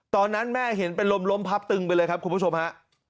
ตอนนั้นแม่เห็นเป็นลมล้มพับตึงไปเลยครับคุณผู้ชมฮะ